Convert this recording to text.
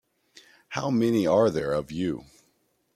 How many are there of you?